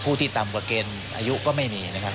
ที่ต่ำกว่าเกณฑ์อายุก็ไม่มีนะครับ